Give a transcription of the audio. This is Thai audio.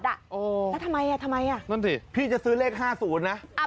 แล้วทำไมอ่ะทำไมอ่ะนั่นสิพี่จะซื้อเลข๕๐นะ